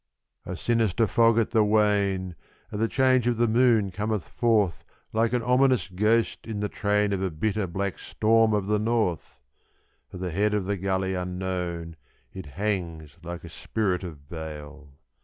_ A sinister fog at the wane at the change of the moon cometh forth Like an ominous ghost in the train of a bitter, black storm of the north! At the head of the gully unknown it hangs like a spirit of bale.